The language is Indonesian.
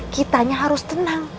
kitanya harus tenang